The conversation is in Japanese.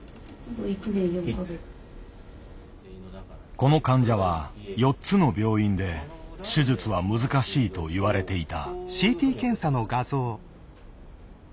この患者は４つの病院で「手術は難しい」と言われていた。